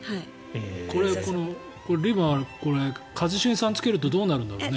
これ、リボン一茂さんがつけるとどうなるんだろうね？